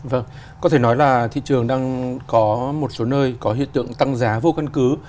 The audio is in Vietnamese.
vâng có thể nói là thị trường đang có một số nơi có hiện tượng tăng giá vô căn cứ